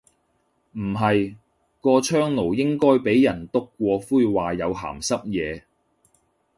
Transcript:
唔係，個窗爐應該俾人篤過灰話有鹹濕野。